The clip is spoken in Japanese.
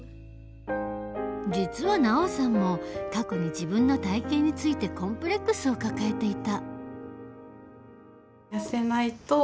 実はＮＡＯさんも過去に自分の体型についてコンプレックスを抱えていた。